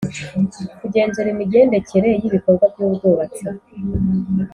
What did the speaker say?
kugenzura imigendekere y ibikorwa by’ubwubatsi